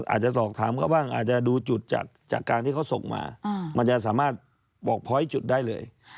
อาจจะสอบถามเขาบ้างอาจจะดูจุดจากการที่เขาส่งมามันจะสามารถบอกพ้อยจุดได้เลย